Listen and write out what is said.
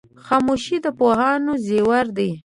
خاموشي د پوهانو زیور دی.